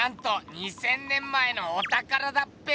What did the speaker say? ２，０００年前のおたからだっぺ！